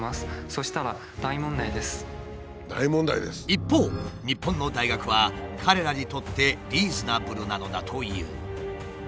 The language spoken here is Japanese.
一方日本の大学は彼らにとってリーズナブルなのだという。